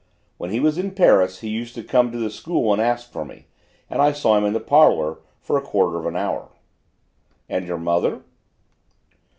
When he was in Paris he used to come to the school and ask for me, and I saw him in the parlour for a quarter of an hour." "And your mother?"